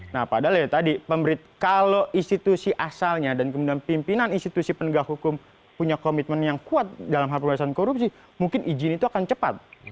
nah padahal ya tadi kalau institusi asalnya dan kemudian pimpinan institusi penegak hukum punya komitmen yang kuat dalam hal pemberantasan korupsi mungkin izin itu akan cepat